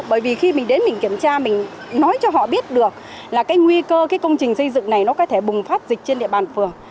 bởi vì khi mình đến mình kiểm tra mình nói cho họ biết được là cái nguy cơ cái công trình xây dựng này nó có thể bùng phát dịch trên địa bàn phường